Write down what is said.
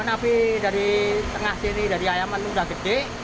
api dari tengah sini dari ayaman itu sudah gede